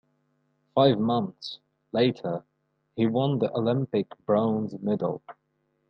Five months later he won the Olympic bronze medal.